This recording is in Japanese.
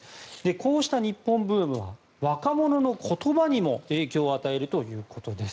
こうした日本ブームは若者の言葉にも影響を与えるということです。